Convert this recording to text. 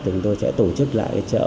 chúng tôi sẽ tổ chức lại cái chợ